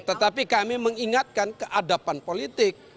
tetapi kami mengingatkan keadapan politik